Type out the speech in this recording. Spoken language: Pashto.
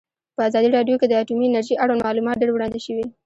په ازادي راډیو کې د اټومي انرژي اړوند معلومات ډېر وړاندې شوي.